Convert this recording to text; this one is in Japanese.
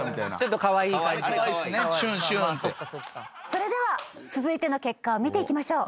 それでは続いての結果を見ていきましょう。